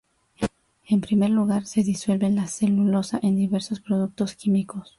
En primer lugar, se disuelve la celulosa en diversos productos químicos.